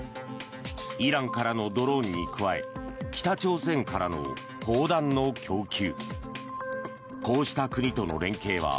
イランからのドローンに加え北朝鮮からの砲弾の供給。